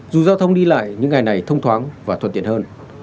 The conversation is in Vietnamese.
dù giao thông đi lại những ngày này thông thoáng và thuận tiện hơn